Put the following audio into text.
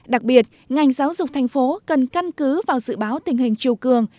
đặc biệt ngành giáo dục thành phố cần căn cứ vào dự báo tình hình chiều cường